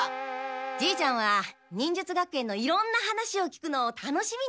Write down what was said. じーちゃんは忍術学園のいろんな話を聞くのを楽しみにしていて。